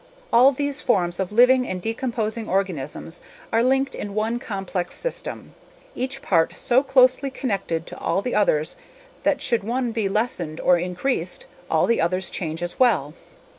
All these forms of living and decomposing organisms are linked in one complex system; each part so closely connected to all the others that should one be lessened or increased, all the others change as well.